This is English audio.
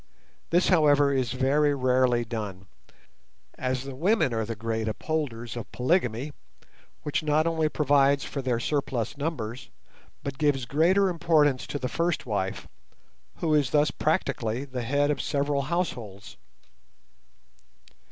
This, however, is very rarely done, as the women are the great upholders of polygamy, which not only provides for their surplus numbers but gives greater importance to the first wife, who is thus practically the head of several households.